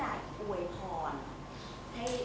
วันนี้ผู้หญ่อวยก็บอกแล้วว่า